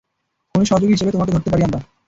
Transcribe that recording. খুনীর সহযোগী হিসেবে তোমাকে ধরতে পারি আমরা।